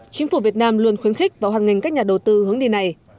chính phủ việt nam luôn khuyến khích vào hoàn ngành các nhà đầu tư hướng đi này